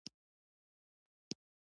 ما دا خبره پخوا هیڅکله چا ته نه ده کړې